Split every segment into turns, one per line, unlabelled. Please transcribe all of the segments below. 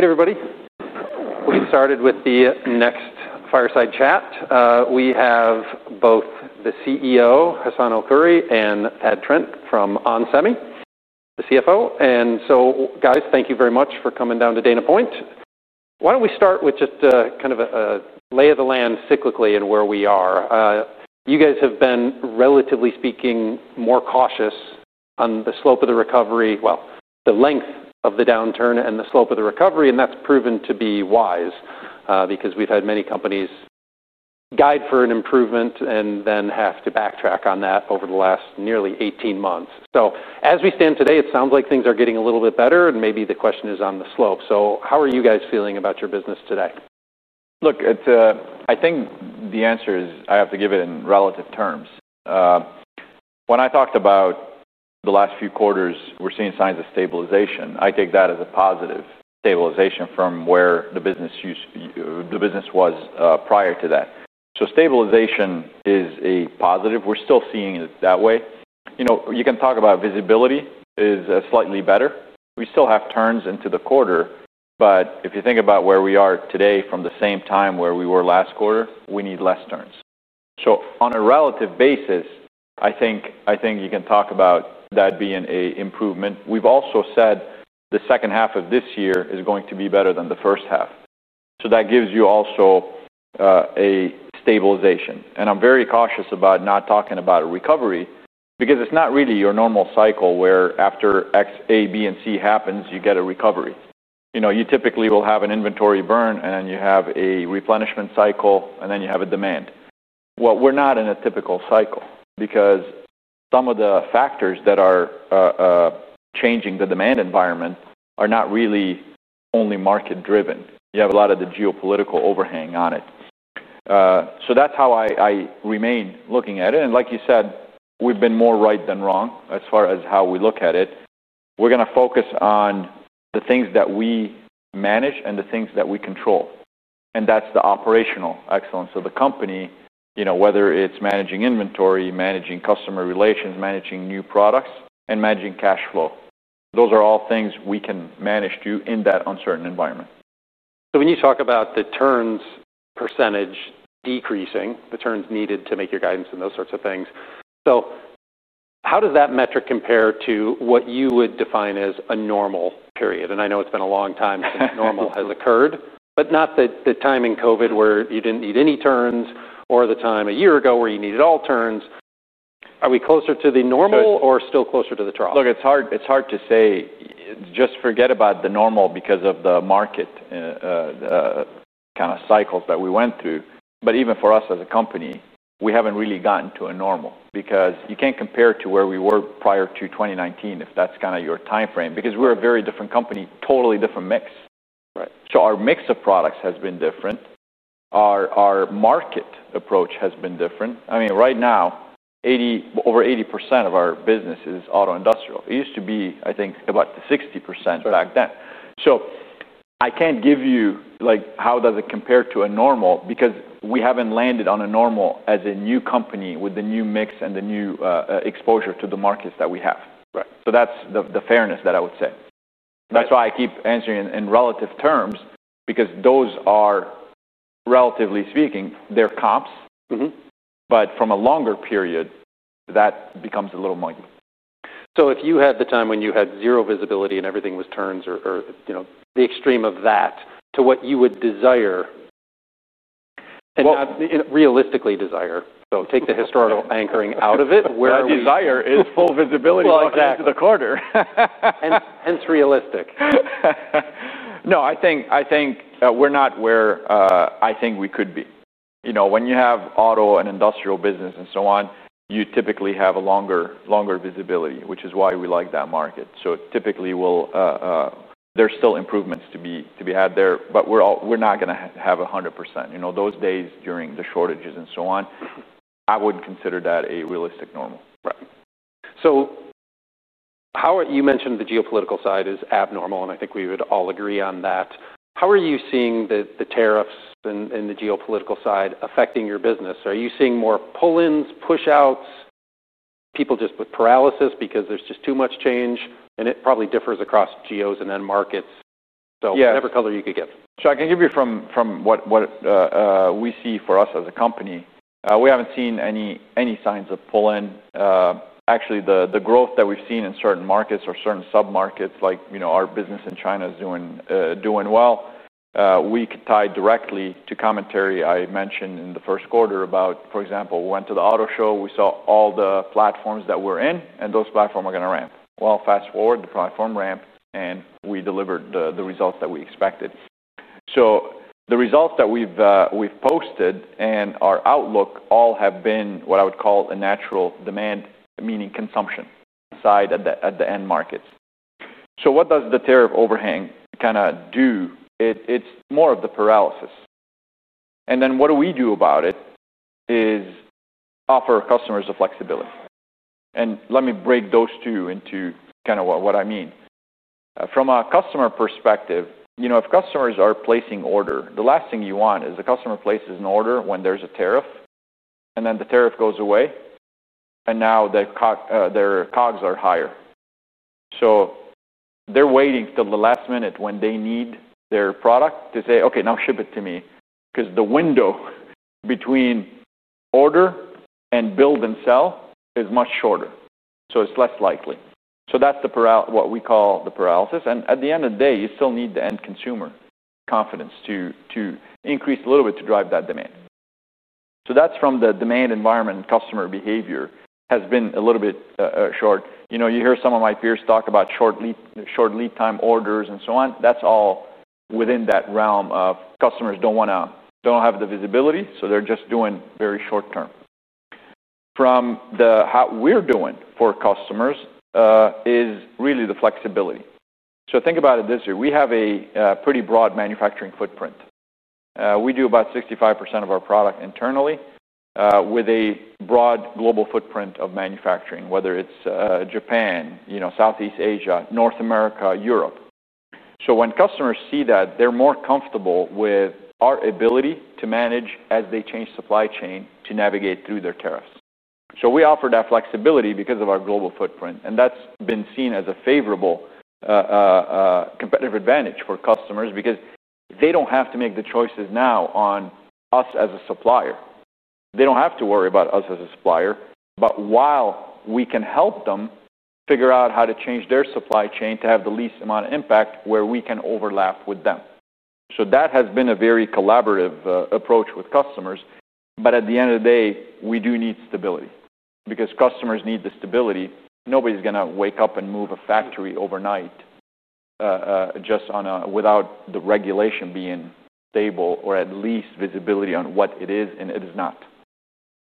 Alright, everybody. We'll get started with the next fireside chat. We have both the CEO, Hassane El-Khoury, and Thad Trent from Onsemi, the CFO. Guys, thank you very much for coming down to Dana Point. Why don't we start with just kind of a lay of the land cyclically and where we are. You guys have been, relatively speaking, more cautious on the slope of the recovery, the length of the downturn and the slope of the recovery, and that's proven to be wise because we've had many companies guide for an improvement and then have to backtrack on that over the last nearly 18 months. As we stand today, it sounds like things are getting a little bit better, and maybe the question is on the slope. How are you guys feeling about your business today?
Look, I think the answer is I have to give it in relative terms. When I talked about the last few quarters, we're seeing signs of stabilization. I take that as a positive stabilization from where the business used to be, the business was prior to that. Stabilization is a positive. We're still seeing it that way. You know, you can talk about visibility is slightly better. We still have turns into the quarter, but if you think about where we are today from the same time where we were last quarter, we need less turns. On a relative basis, I think you can talk about that being an improvement. We've also said the second half of this year is going to be better than the first half. That gives you also a stabilization. I'm very cautious about not talking about a recovery because it's not really your normal cycle where after X, A, B, and C happens, you get a recovery. You typically will have an inventory burn, and then you have a replenishment cycle, and then you have a demand. We're not in a typical cycle because some of the factors that are changing the demand environment are not really only market-driven. You have a lot of the geopolitical overhang on it. That's how I remain looking at it. Like you said, we've been more right than wrong as far as how we look at it. We're going to focus on the things that we manage and the things that we control, and that's the operational excellence of the company. Whether it's managing inventory, managing customer relations, managing new products, and managing cash flow, those are all things we can manage to in that uncertain environment. When you talk about the turns percentage decreasing, the turns needed to make your guidance and those sorts of things, how does that metric compare to what you would define as a normal period? I know it's been a long time since normal has occurred, but not the time in COVID where you didn't need any turns or the time a year ago where you needed all turns. Are we closer to the normal or still closer to the trough? Look, it's hard to say. Just forget about the normal because of the market kind of cycle that we went through. Even for us as a company, we haven't really gotten to a normal because you can't compare to where we were prior to 2019 if that's kind of your timeframe because we're a very different company, totally different mix. Right. Our mix of products has been different. Our market approach has been different. Right now, over 80% of our business is auto industrial. It used to be, I think, about 60% back then. I can't give you how does it compare to a normal because we haven't landed on a normal as a new company with the new mix and the new exposure to the markets that we have. Right. That's the fairness that I would say. That's why I keep answering in relative terms, because those are, relatively speaking, they're comps. Mm-hmm. From a longer period, that becomes a little muddy. If you had the time when you had zero visibility and everything was turns or the extreme of that to what you would desire, and realistically desire, though, take the historical anchoring out of it. That desire is full visibility to the quarter. Hence, realistic. No, I think we're not where I think we could be. You know, when you have auto and industrial business and so on, you typically have a longer visibility, which is why we like that market. Typically, there's still improvements to be had there, but we're not going to have 100%. You know, those days during the shortages and so on, I wouldn't consider that a realistic normal. Right. You mentioned the geopolitical side is abnormal, and I think we would all agree on that. How are you seeing the tariffs and the geopolitical side affecting your business? Are you seeing more pull-ins, push-outs? People just with paralysis because there's just too much change, and it probably differs across geos and end markets. Whatever color you could give. I can give you from what we see for us as a company. We haven't seen any signs of pull-in. Actually, the growth that we've seen in certain markets or certain submarkets, like, you know, our business in China is doing well. We could tie directly to commentary I mentioned in the first quarter about, for example, we went to the auto show, we saw all the platforms that we're in, and those platforms are going to ramp. Fast forward, the platform ramped, and we delivered the results that we expected. The results that we've posted and our outlook all have been what I would call a natural demand, meaning consumption side at the end markets. What does the tariff overhang kind of do? It's more of the paralysis. What we do about it is offer customers the flexibility. Let me break those two into what I mean. From a customer perspective, if customers are placing orders, the last thing you want is the customer places an order when there's a tariff, and then the tariff goes away, and now their COGS are higher. They're waiting till the last minute when they need their product to say, "Okay, now ship it to me," because the window between order and build and sell is much shorter. It's less likely. That's what we call the paralysis. At the end of the day, you still need the end consumer confidence to increase a little bit to drive that demand. That's from the demand environment, and customer behavior has been a little bit short. You hear some of my peers talk about short lead time orders and so on. That's all within that realm of customers don't want to have the visibility, so they're just doing very short term. From the how we're doing for customers is really the flexibility. Think about it this way. We have a pretty broad manufacturing footprint. We do about 65% of our product internally with a broad global footprint of manufacturing, whether it's Japan, Southeast Asia, North America, Europe. When customers see that, they're more comfortable with our ability to manage as they change supply chain to navigate through their tariffs. We offer that flexibility because of our global footprint, and that's been seen as a favorable competitive advantage for customers because they don't have to make the choices now on us as a supplier. They don't have to worry about us as a supplier, while we can help them figure out how to change their supply chain to have the least amount of impact where we can overlap with them. That has been a very collaborative approach with customers. At the end of the day, we do need stability because customers need the stability. Nobody's going to wake up and move a factory overnight just without the regulation being stable or at least visibility on what it is and it is not.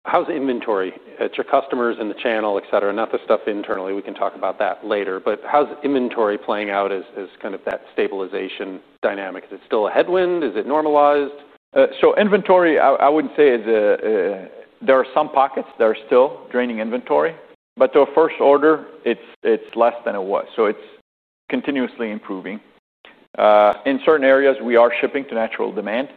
How's inventory? Your customers and the channel, et cetera, not the stuff internally. We can talk about that later. How's inventory playing out as kind of that stabilization dynamic? Is it still a headwind? Is it normalized? Inventory, I would say there are some pockets that are still draining inventory, but to a first order, it's less than it was. It's continuously improving. In certain areas, we are shipping to natural demand.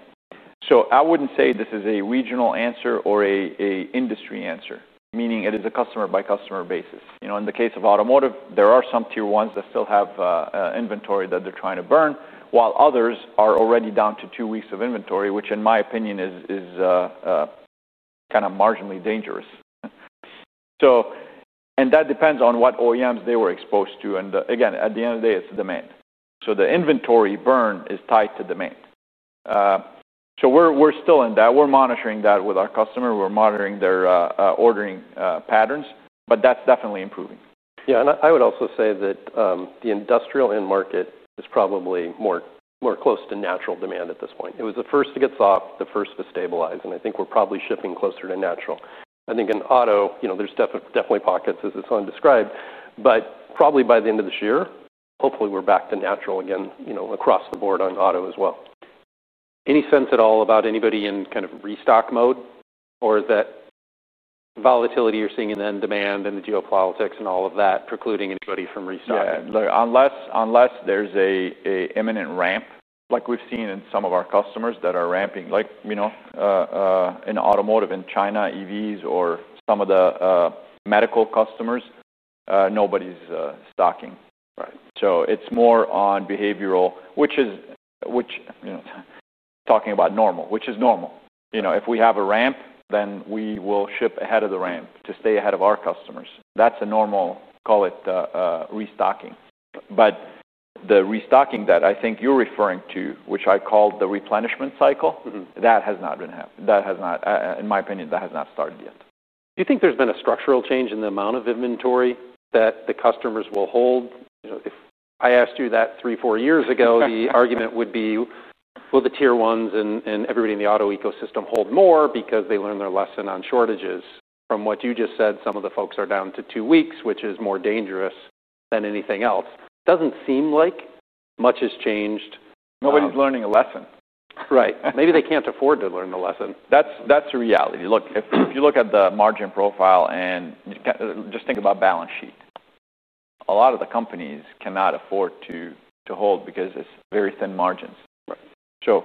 I wouldn't say this is a regional answer or an industry answer, meaning it is a customer-by-customer basis. In the case of automotive, there are some Tier 1s that still have inventory that they're trying to burn, while others are already down to two weeks of inventory, which in my opinion is kind of marginally dangerous. That depends on what OEMs they were exposed to. At the end of the day, it's the demand. The inventory burn is tied to demand. We're still in that. We're monitoring that with our customer. We're monitoring their ordering patterns, but that's definitely improving.
Yeah, I would also say that the industrial end market is probably more close to natural demand at this point. It was the first to get soft, the first to stabilize, and I think we're probably shifting closer to natural. I think in auto, you know, there's definitely pockets as Hassane described, but probably by the end of this year, hopefully we're back to natural again, you know, across the board on auto as well. Any sense at all about anybody in kind of restock mode or that volatility you're seeing in the end demand and the geopolitics and all of that precluding anybody from restocking?
Yeah, unless there's an imminent ramp, like we've seen in some of our customers that are ramping, like in automotive in China, EVs or some of the medical customers, nobody's stocking. Right. It's more on behavioral, which is, you know, talking about normal, which is normal. You know, if we have a ramp, then we will ship ahead of the ramp to stay ahead of our customers. That's a normal, call it, restocking. The restocking that I think you're referring to, which I called the replenishment cycle, has not been happening. In my opinion, that has not started yet. Do you think there's been a structural change in the amount of inventory that the customers will hold? If I asked you that three, four years ago, the argument would be, will the Tier 1s and everybody in the auto ecosystem hold more because they learned their lesson on shortages? From what you just said, some of the folks are down to two weeks, which is more dangerous than anything else. Doesn't seem like much has changed. Nobody's learning a lesson. Right. Maybe they can't afford to learn the lesson. That's a reality. Look, if you look at the margin profile and just think about balance sheet, a lot of the companies cannot afford to hold because it's very thin margins.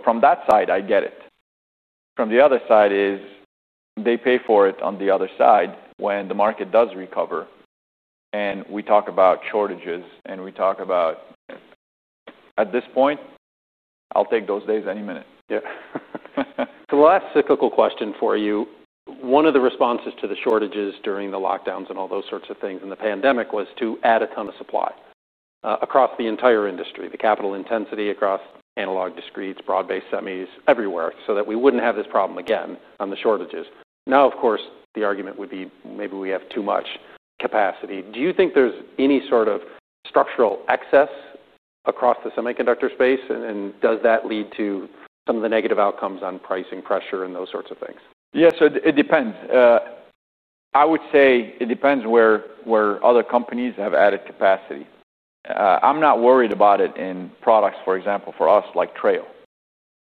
From that side, I get it. From the other side, they pay for it on the other side when the market does recover. We talk about shortages and we talk about, at this point, I'll take those days any minute. Yeah. The last cyclical question for you. One of the responses to the shortages during the lockdowns and all those sorts of things in the pandemic was to add a ton of supply across the entire industry, the capital intensity across analog discretes, broad-based semis, everywhere so that we wouldn't have this problem again on the shortages. Now, of course, the argument would be maybe we have too much capacity. Do you think there's any sort of structural excess across the semiconductor space? Does that lead to some of the negative outcomes on pricing pressure and those sorts of things? Yeah, so it depends. I would say it depends where other companies have added capacity. I'm not worried about it in products, for example, for us, like Treo.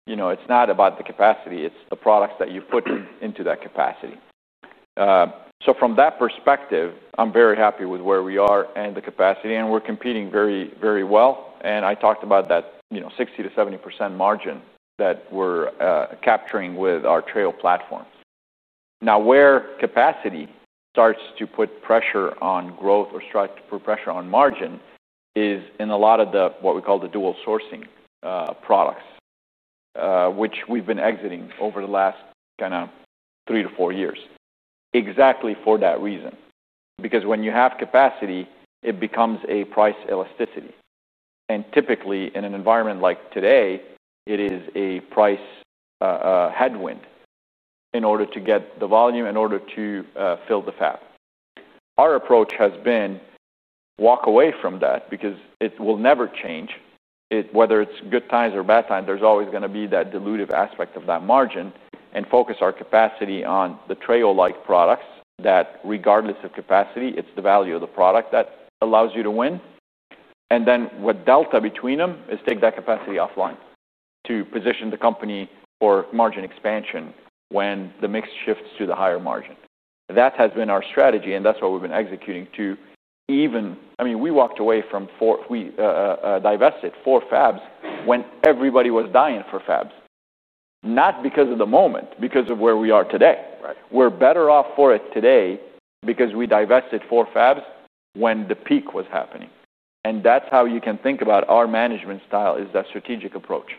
It's not about the capacity. It's the products that you put into that capacity. From that perspective, I'm very happy with where we are and the capacity, and we're competing very, very well. I talked about that 60%-70% margin that we're capturing with our Treo platforms. Now, where capacity starts to put pressure on growth or starts to put pressure on margin is in a lot of what we call the dual-source businesses, which we've been exiting over the last three to four years exactly for that reason. Because when you have capacity, it becomes a price elasticity. Typically, in an environment like today, it is a price headwind in order to get the volume, in order to fill the fab. Our approach has been to walk away from that because it will never change. Whether it's good times or bad times, there's always going to be that dilutive aspect of that margin and focus our capacity on the Treo-like products that, regardless of capacity, it's the value of the product that allows you to win. Then what delta between them is take that capacity offline to position the company for margin expansion when the mix shifts to the higher margin. That has been our strategy, and that's what we've been executing to even, I mean, we walked away from four, we divested four fabs when everybody was dying for fabs. Not because of the moment, because of where we are today. Right. We're better off for it today because we divested four fabs when the peak was happening. That's how you can think about our management style, that strategic approach.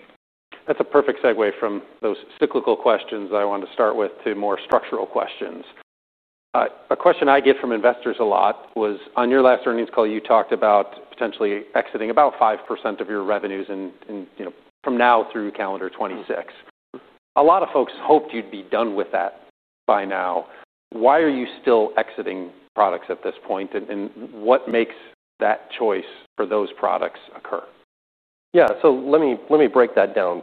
That's a perfect segue from those cyclical questions I wanted to start with to more structural questions. A question I get from investors a lot was, on your last earnings call, you talked about potentially exiting about 5% of your revenues from now through calendar 2026. A lot of folks hoped you'd be done with that by now. Why are you still exiting products at this point? What makes that choice for those products occur?
Yeah, let me break that down.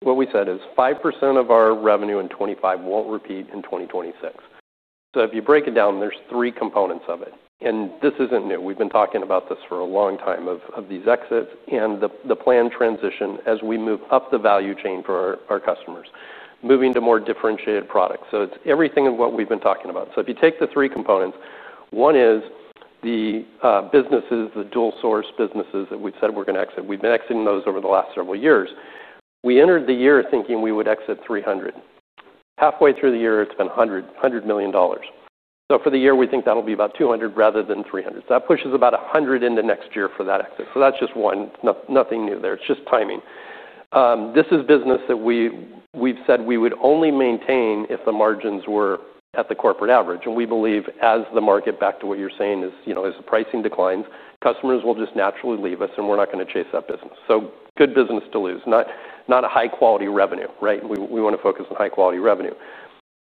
What we said is 5% of our revenue in 2025 won't repeat in 2026. If you break it down, there are three components of it. This isn't new. We've been talking about this for a long time, these exits and the planned transition as we move up the value chain for our customers, moving to more differentiated products. It's everything we've been talking about. If you take the three components, one is the businesses, the dual-source businesses that we've said we're going to exit. We've been exiting those over the last several years. We entered the year thinking we would exit $300 million. Halfway through the year, it's been $100 million. For the year, we think that'll be about $200 million rather than $300 million. That pushes about $100 million into next year for that exit. That's just one, nothing new there. It's just timing. This is business that we've said we would only maintain if the margins were at the corporate average. We believe as the market, back to what you're saying, as the pricing declines, customers will just naturally leave us and we're not going to chase that business. Good business to lose, not a high-quality revenue, right? We want to focus on high-quality revenue.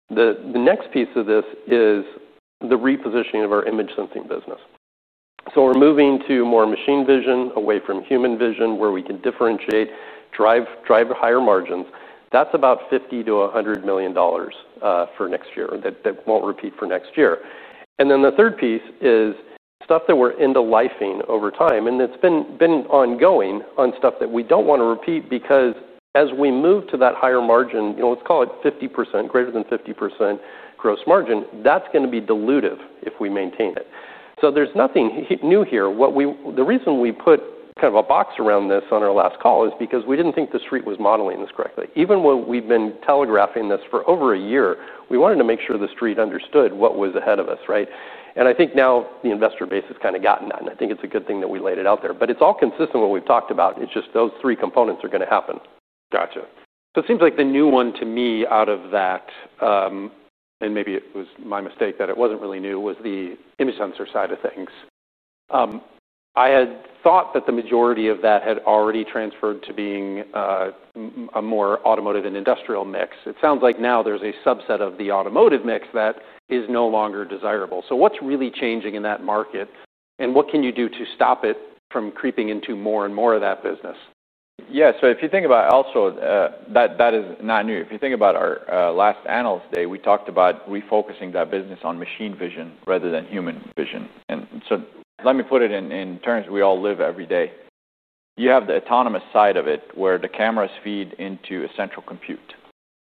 The next piece of this is the repositioning of our image sensing business. We're moving to more machine vision, away from human vision, where we can differentiate, drive higher margins. That's about $50 million-$100 million for next year that won't repeat for next year. The third piece is stuff that we're into lifing over time. It's been ongoing on stuff that we don't want to repeat because as we move to that higher margin, let's call it 50%, greater than 50% gross margin, that's going to be dilutive if we maintain it. There's nothing new here. The reason we put kind of a box around this on our last call is because we didn't think the street was modeling this correctly. Even when we've been telegraphing this for over a year, we wanted to make sure the street understood what was ahead of us, right? I think now the investor base has kind of gotten that. I think it's a good thing that we laid it out there. It's all consistent with what we've talked about. It's just those three components are going to happen. Gotcha. It seems like the new one to me out of that, and maybe it was my mistake that it wasn't really new, was the image sensor side of things. I had thought that the majority of that had already transferred to being a more automotive and industrial mix. It sounds like now there's a subset of the automotive mix that is no longer desirable. What's really changing in that market? What can you do to stop it from creeping into more and more of that business?
Yeah, so if you think about it, also that is not new. If you think about our last analyst day, we talked about refocusing that business on machine vision rather than human vision. Let me put it in terms we all live every day. You have the autonomous side of it where the cameras feed into a central compute.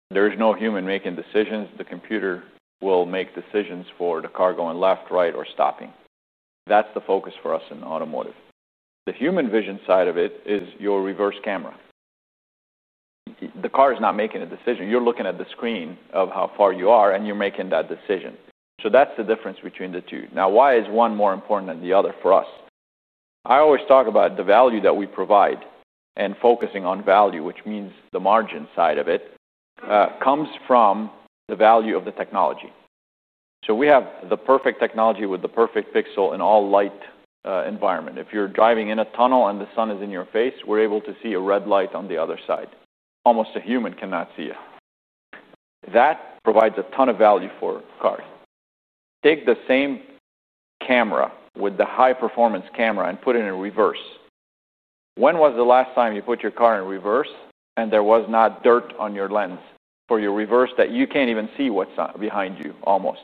There is no human making decisions. The computer will make decisions for the car going left, right, or stopping. That's the focus for us in automotive. The human vision side of it is your reverse camera. The car is not making a decision. You're looking at the screen of how far you are, and you're making that decision. That's the difference between the two. Now, why is one more important than the other for us? I always talk about the value that we provide, and focusing on value, which means the margin side of it, comes from the value of the technology. We have the perfect technology with the perfect pixel in all light environment. If you're driving in a tunnel and the sun is in your face, we're able to see a red light on the other side. Almost a human cannot see you. That provides a ton of value for cars. Take the same camera with the high-performance camera and put it in reverse. When was the last time you put your car in reverse and there was not dirt on your lens for your reverse that you can't even see what's behind you almost?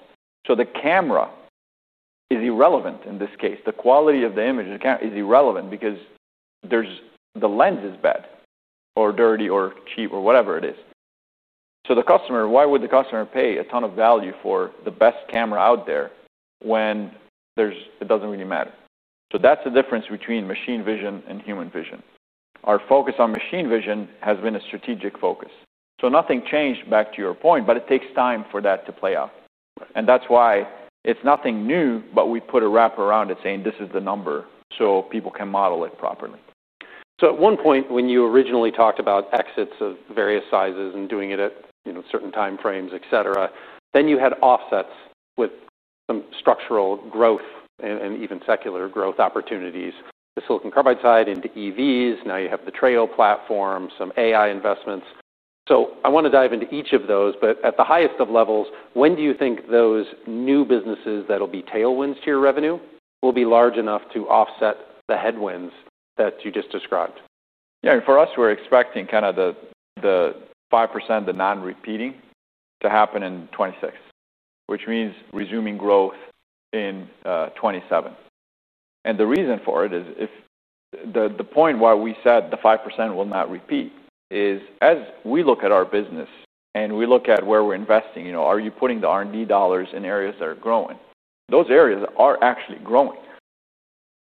The camera is irrelevant in this case. The quality of the image is irrelevant because the lens is bad or dirty or cheap or whatever it is. The customer, why would the customer pay a ton of value for the best camera out there when it doesn't really matter? That's the difference between machine vision and human vision. Our focus on machine vision has been a strategic focus. Nothing changed, back to your point, but it takes time for that to play out. That's why it's nothing new, but we put a wrap around it saying this is the number so people can model it properly. At one point, when you originally talked about exits of various sizes and doing it at certain time frames, et cetera, you had offsets with some structural growth and even secular growth opportunities. The silicon carbide side into EVs. Now you have the Treo platform, some AI investments. I want to dive into each of those, but at the highest of levels, when do you think those new businesses that'll be tailwinds to your revenue will be large enough to offset the headwinds that you just described? Yeah, for us, we're expecting kind of the 5%, the non-repeating to happen in 2026, which means resuming growth in 2027. The reason for it is if the point why we said the 5% will not repeat is as we look at our business and we look at where we're investing, you know, are you putting the R&D dollars in areas that are growing? Those areas are actually growing.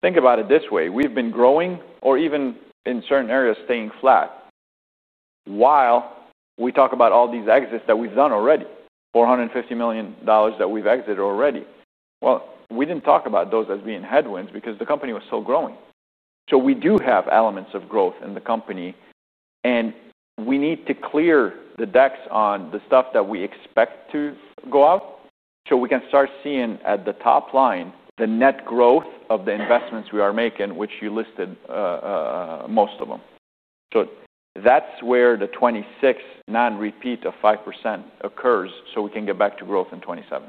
Think about it this way. We've been growing or even in certain areas staying flat while we talk about all these exits that we've done already, $450 million that we've exited already. We didn't talk about those as being headwinds because the company was still growing. We do have elements of growth in the company, and we need to clear the decks on the stuff that we expect to go out so we can start seeing at the top line the net growth of the investments we are making, which you listed most of them. That's where the 2026 non-repeat of 5% occurs so we can get back to growth in 2027.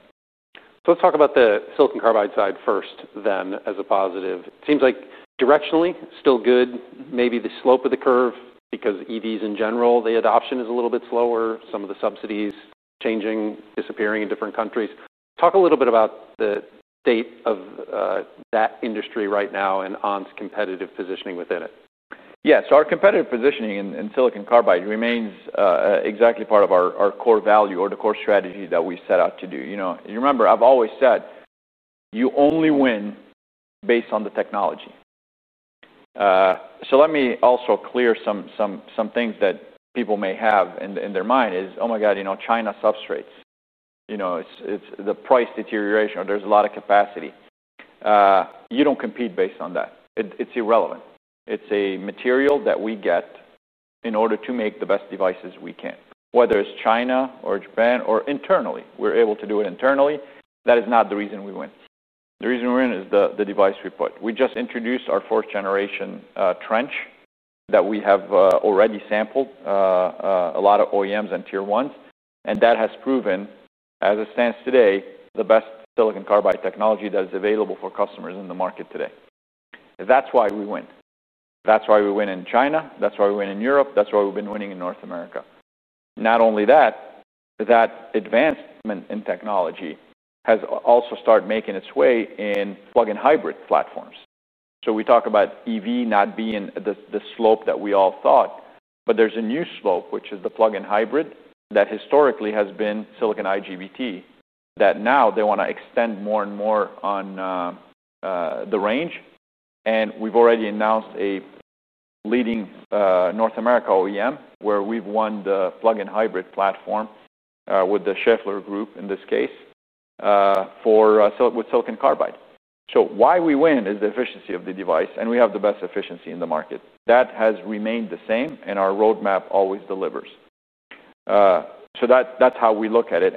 Let's talk about the silicon carbide side first then as a positive. It seems like directionally still good, maybe the slope of the curve because EVs in general, the adoption is a little bit slower, some of the subsidies changing, disappearing in different countries. Talk a little bit about the state of that industry right now and ON's competitive positioning within it. Yeah, so our competitive positioning in silicon carbide remains exactly part of our core value or the core strategy that we set out to do. You know, you remember I've always said you only win based on the technology. Let me also clear something that people may have in their mind: oh my God, you know, China substrates, it's the price deterioration or there's a lot of capacity. You don't compete based on that. It's irrelevant. It's a material that we get in order to make the best devices we can. Whether it's China or Japan or internally, we're able to do it internally. That is not the reason we win. The reason we win is the device we put. We just introduced our fourth generation trench that we have already sampled to a lot of OEMs and Tier 1s, and that has proven, as it stands today, the best silicon carbide technology that is available for customers in the market today. That's why we win. That's why we win in China. That's why we win in Europe. That's why we've been winning in North America. Not only that, that advancement in technology has also started making its way in plug-in hybrid platforms. We talk about EV not being the slope that we all thought, but there's a new slope, which is the plug-in hybrid that historically has been silicon IGBT, that now they want to extend more and more on the range. We've already announced a leading North America OEM where we've won the plug-in hybrid platform with the Schaeffler Group in this case with silicon carbide. Why we win is the efficiency of t`he device, and we have the best efficiency in the market. That has remained the same, and our roadmap always delivers. That's how we look at it.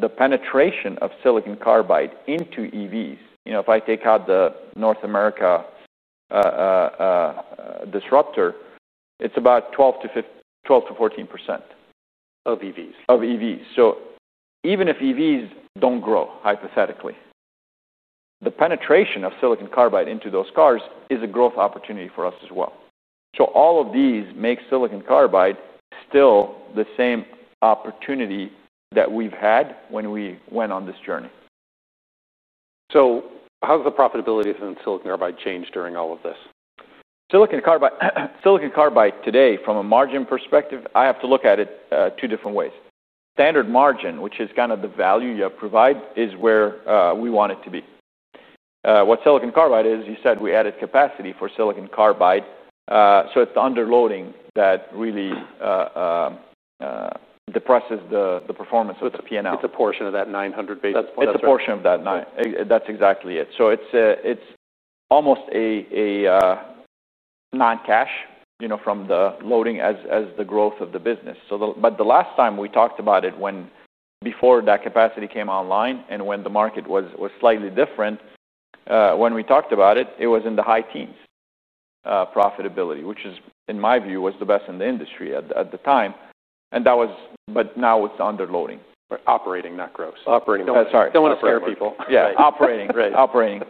The penetration of silicon carbide into EVs, you know, if I take out the North America disruptor, it's about 12%-14%. Of EVs. Even if EVs don't grow, hypothetically, the penetration of silicon carbide into those cars is a growth opportunity for us as well. All of these make silicon carbide still the same opportunity that we've had when we went on this journey. How's the profitability of silicon carbide changed during all of this? Silicon carbide today, from a margin perspective, I have to look at it two different ways. Standard margin, which is kind of the value you provide, is where we want it to be. What silicon carbide is, you said we added capacity for silicon carbide, so it's underloading that really depresses the performance of the P&L. It's a portion of that 900 bps. That's exactly it. It's almost a non-cash, you know, from the loading as the growth of the business. The last time we talked about it, before that capacity came online and when the market was slightly different, when we talked about it, it was in the high teens profitability, which is, in my view, was the best in the industry at the time. Now it's underloading. Operating, not gross. Operating. Don't want to scare people. Yeah, operating. Great. Operating.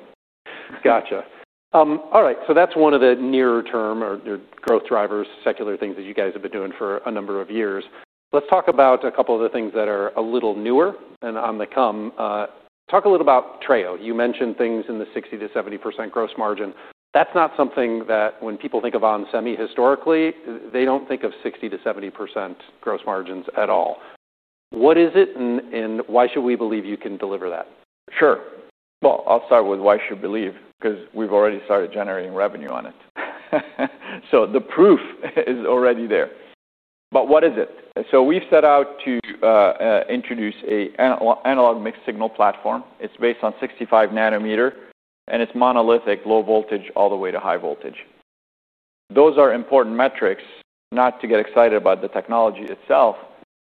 Gotcha. All right. That's one of the near-term or growth drivers, secular things that you guys have been doing for a number of years. Let's talk about a couple of the things that are a little newer and on the come. Talk a little about Treo. You mentioned things in the 60%-70% gross margin. That's not something that when people think of Onsemi historically, they don't think of 60%-70% gross margins at all. What is it and why should we believe you can deliver that? Sure. I'll start with why should we believe because we've already started generating revenue on it. The proof is already there. What is it? We've set out to introduce an analog mixed signal platform. It's based on 65 nm and it's monolithic low voltage all the way to high voltage. Those are important metrics, not to get excited about the technology itself,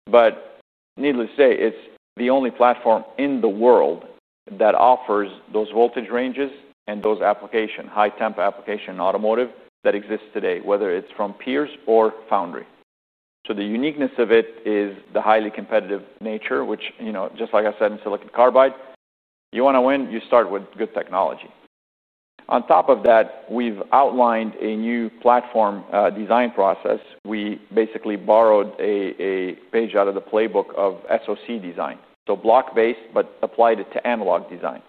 but needless to say, it's the only platform in the world that offers those voltage ranges and those applications, high temp application in automotive that exists today, whether it's from peers or foundry. The uniqueness of it is the highly competitive nature, which, just like I said, in silicon carbide, you want to win, you start with good technology. On top of that, we've outlined a new platform design process. We basically borrowed a page out of the playbook of SOC design. Block-based, but applied it to analog design,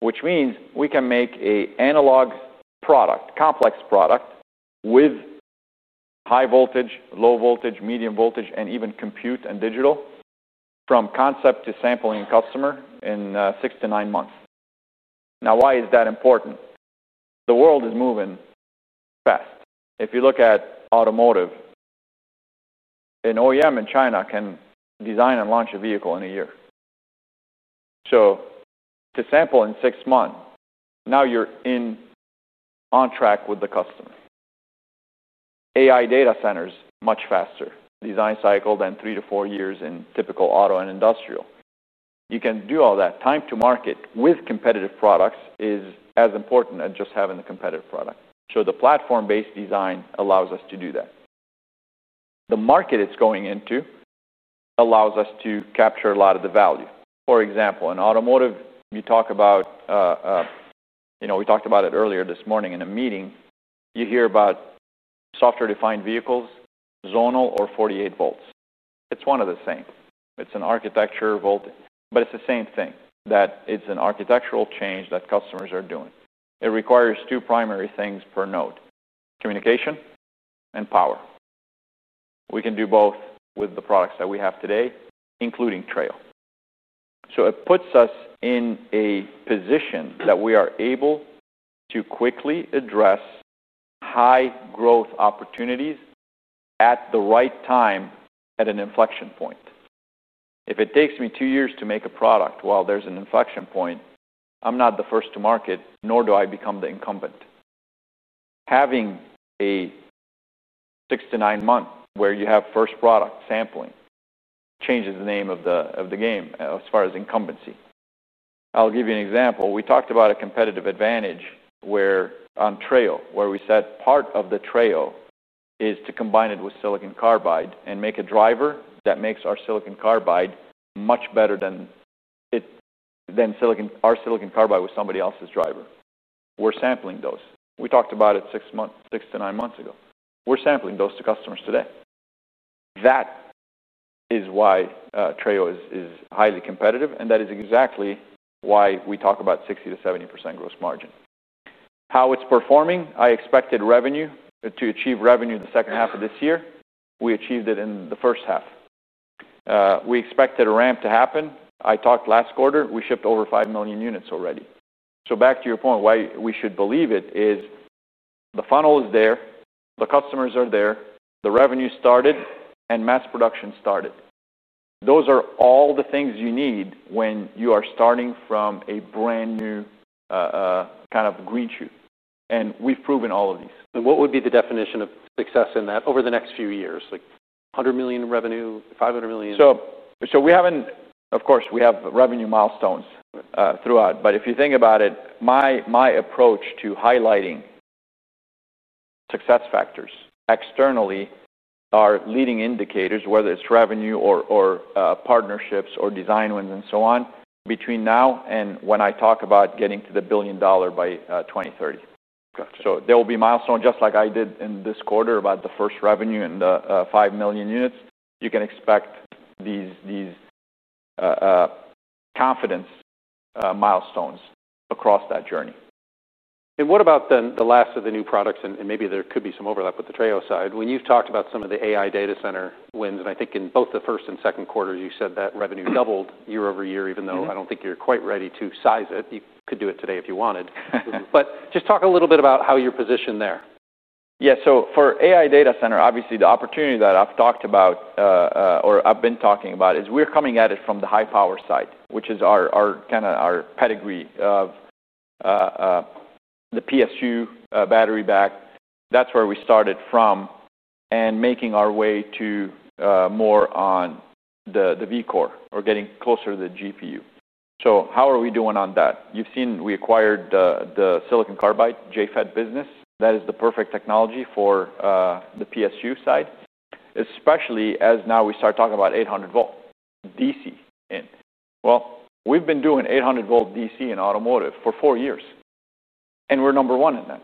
which means we can make an analog product, complex product with high voltage, low voltage, medium voltage, and even compute and digital from concept to sampling a customer in six to nine months. Now, why is that important? The world is moving fast. If you look at automotive, an OEM in China can design and launch a vehicle in a year. To sample in six months, now you're on track with the customer. AI Data Centers, much faster design cycle than three to four years in typical auto and industrial. You can do all that. Time to market with competitive products is as important as just having the competitive product. The platform-based design allows us to do that. The market it's going into allows us to capture a lot of the value. For example, in automotive, you talk about, you know, we talked about it earlier this morning in a meeting. You hear about software-defined vehicles, zonal or 48 volts. It's one of the same. It's an architecture voltage, but it's the same thing that it's an architectural change that customers are doing. It requires two primary things per node: communication and power. We can do both with the products that we have today, including Treo. It puts us in a position that we are able to quickly address high growth opportunities at the right time at an inflection point. If it takes me two years to make a product while there's an inflection point, I'm not the first to market, nor do I become the incumbent. Having a six to nine months where you have first product sampling changes the name of the game as far as incumbency. I'll give you an example. We talked about a competitive advantage where on Treo, where we said part of Treo is to combine it with silicon carbide and make a driver that makes our silicon carbide much better than our silicon carbide with somebody else's driver. We're sampling those. We talked about it six to nine months ago. We're sampling those to customers today. That is why Treo is highly competitive, and that is exactly why we talk about 60%-70% gross margin. How it's performing? I expected revenue to achieve revenue in the second half of this year. We achieved it in the first half. We expected a ramp to happen. I talked last quarter, we shipped over 5 million units already. Back to your point, why we should believe it is the funnel is there, the customers are there, the revenue started, and mass production started. Those are all the things you need when you are starting from a brand new kind of green shoot. We've proven all of these. What would be the definition of success in that over the next few years? Like $100 million in revenue, $500 million? We haven't, of course, we have revenue milestones throughout, but if you think about it, my approach to highlighting success factors externally are leading indicators, whether it's revenue or partnerships or design wins and so on, between now and when I talk about getting to the billion dollar by 2030. Gotcha. There will be milestones, just like I did in this quarter about the first revenue and the 5 million units. You can expect these confidence milestones across that journey. What about the last of the new products, and maybe there could be some overlap with the Treo side, when you've talked about some of the AI Data Center wins? I think in both the first and second quarters, you said that revenue doubled year over year, even though I don't think you're quite ready to size it. You could do it today if you wanted. Just talk a little bit about how you're positioned there. Yeah, so for AI Data Center, obviously the opportunity that I've talked about, or I've been talking about, is we're coming at it from the high power side, which is our kind of our pedigree of the PSU battery back. That's where we started from and making our way to more on the V-core or getting closer to the GPU. How are we doing on that? You've seen we acquired the silicon carbide JFET business. That is the perfect technology for the PSU side, especially as now we start talking about 800 volt DC in. We've been doing 800 volt DC in automotive for four years, and we're number one in that.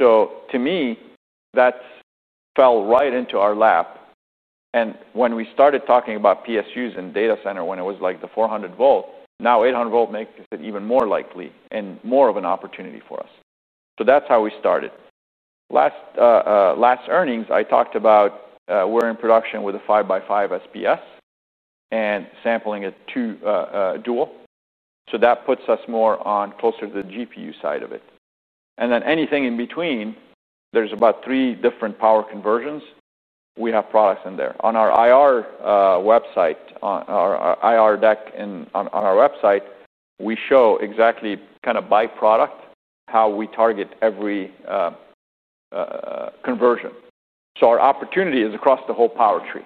To me, that fell right into our lap. When we started talking about PSUs and Data Center, when it was like the 400 volt, now 800 volt makes it even more likely and more of an opportunity for us. That's how we started. Last earnings, I talked about we're in production with a 5x5 SPS and sampling a dual. That puts us more closer to the GPU side of it. Anything in between, there's about three different power conversions. We have products in there. On our IR website, on our IR deck and on our website, we show exactly kind of by product how we target every conversion. Our opportunity is across the whole power tree.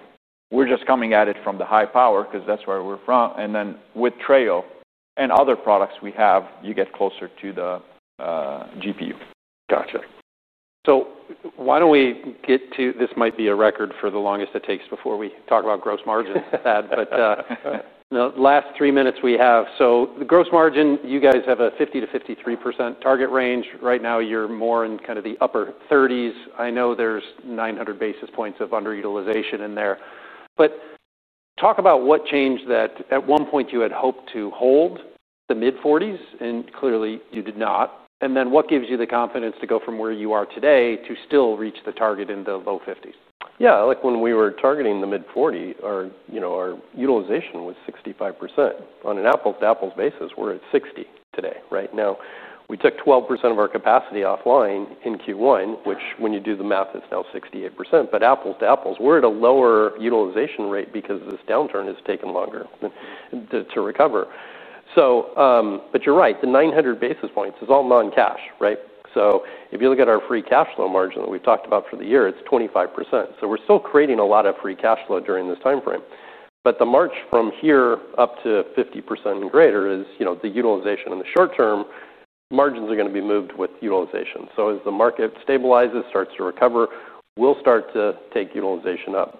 We're just coming at it from the high power because that's where we're from. With Treo and other products we have, you get closer to the GPU. Gotcha. Why don't we get to, this might be a record for the longest it takes before we talk about gross margins, but the last three minutes we have. The gross margin, you guys have a 50%53% target range. Right now, you're more in kind of the upper 30s. I know there's 900 basis points of underutilization in there. Talk about what changed that. At one point, you had hoped to hold the mid-40s, and clearly you did not. What gives you the confidence to go from where you are today to still reach the target in the low 50s?
Yeah, like when we were targeting the mid-40s, our utilization was 65%. On an apples-to-apples basis, we're at 60% today. Right now, we took 12% of our capacity offline in Q1, which, when you do the math, it's now 68%. On an apples-to-apples basis, we're at a lower utilization rate because this downturn has taken longer to recover. You're right, the 900 basis points is all non-cash. If you look at our free cash flow margin that we've talked about for the year, it's 25%. We're still creating a lot of free cash flow during this timeframe. The march from here up to 50% and greater is, you know, the utilization in the short term, margins are going to be moved with utilization. As the market stabilizes and starts to recover, we'll start to take utilization up.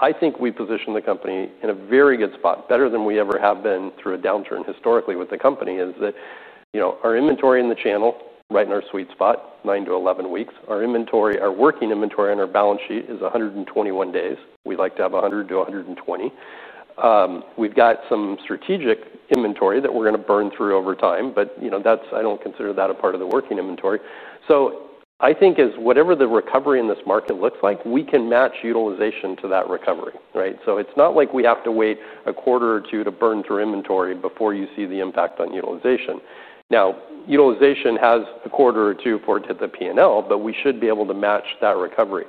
I think we position the company in a very good spot, better than we ever have been through a downturn historically with the company. Our inventory in the channel, right in our sweet spot, nine to 11 weeks, our inventory, our working inventory on our balance sheet is 121 days. We'd like to have 100-120. We've got some strategic inventory that we're going to burn through over time, but I don't consider that a part of the working inventory. I think as whatever the recovery in this market looks like, we can match utilization to that recovery. It's not like we have to wait a quarter or two to burn through inventory before you see the impact on utilization. Utilization has a quarter or two forward to the P&L, but we should be able to match that recovery.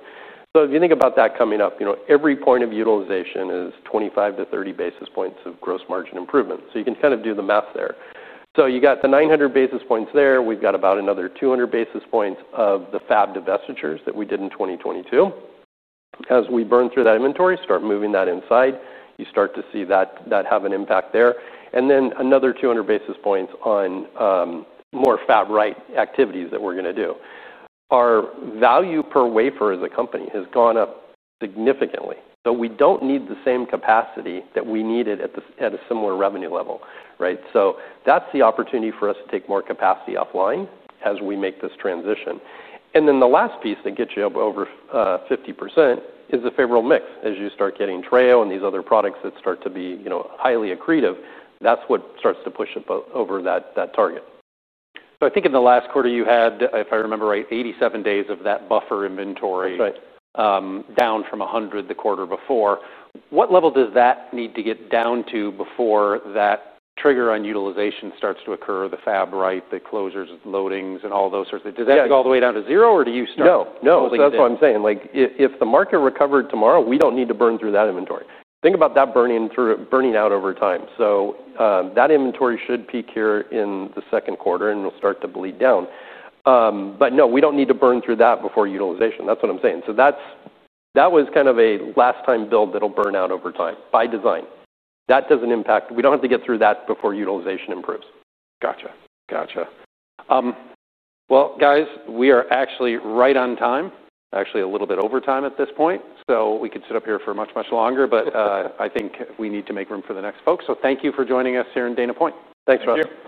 If you think about that coming up, every point of utilization is 25-30 basis points of gross margin improvement. You can kind of do the math there. You got the 900 basis points there. We've got about another 200 basis points of the fab divestitures that we did in 2022. As we burn through that inventory and start moving that inside, you start to see that have an impact there. Then another 200 basis points on more fab right activities that we're going to do. Our value per wafer as a company has gone up significantly, but we don't need the same capacity that we needed at a similar revenue level. That's the opportunity for us to take more capacity offline as we make this transition. The last piece that gets you up over 50% is the favorable mix as you start getting Treo and these other products that start to be highly accretive. That's what starts to push up over that target. I think in the last quarter you had, if I remember right, 87 days of that buffer inventory, right, down from 100 the quarter before. What level does that need to get down to before that trigger on utilization starts to occur, the fab, right, the closures, loadings, and all those sorts of things? Does that get all the way down to zero or do you start? No, that's what I'm saying. If the market recovered tomorrow, we don't need to burn through that inventory. Think about that burning out over time. That inventory should peak here in the second quarter and will start to bleed down. We don't need to burn through that before utilization. That was kind of a last-time build that'll burn out over time by design. That doesn't impact, we don't have to get through that before utilization improves. Gotcha. Gotcha. We are actually right on time, actually a little bit over time at this point. We could sit up here for much, much longer, but I think we need to make room for the next folks. Thank you for joining us here in Dana Point.
Thanks, Roger.